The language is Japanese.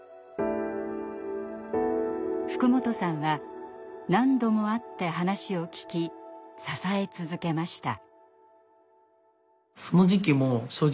福本さんは何度も会って話を聞き支え続けました。